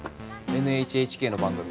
ＮＨＨＫの番組。